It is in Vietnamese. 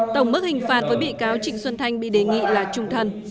tổng mức hình phạt với bị cáo trịnh xuân thanh bị đề nghị là trung thân